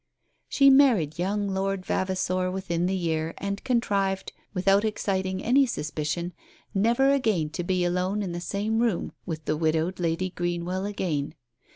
She married young Lord Vavasor within the year, and contrived, without exciting any suspicion, never again to be alone in the same room with the widowed Lady Greenwell again.